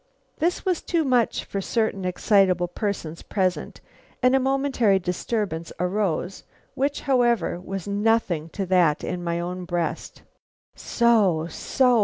This was too much for certain excitable persons present, and a momentary disturbance arose, which, however, was nothing to that in my own breast. So! so!